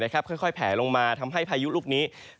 ค่อยแผลลงมาทำให้พายุลูกนี้